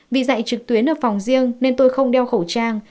vì dạy trực tuyến ở phòng riêng nên tôi không đeo khẩu trang